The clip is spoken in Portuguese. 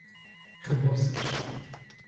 Rebouças